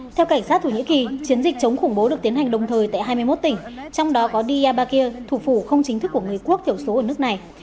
theo cảnh sát thổ nhĩ kỳ chiến dịch chống khủng bố được tiến hành đồng thời tại hai mươi một tỉnh trong đó có diabakia thủ phủ không chính thức của người quốc thiểu số ở nước này